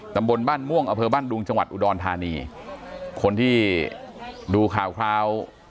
ตำบลบ้านม่วงอเภอบ้านดุงจังหวัดอุดรธานีคนที่ดูข่าวคราว